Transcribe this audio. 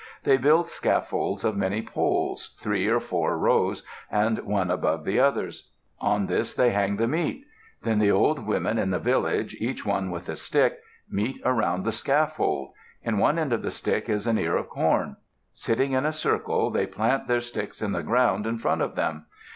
They build scaffolds of many poles, three or four rows, and one above the others. On this they hang the meat. Then the old women in the village, each one with a stick, meet around the scaffold. In one end of the stick is an ear of corn. Sitting in a circle, they plant their sticks in the ground in front of them.